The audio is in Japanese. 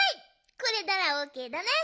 これならオーケーだね。